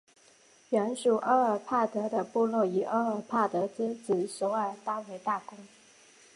原属阿尔帕德的部落以阿尔帕德之子索尔坦为大公。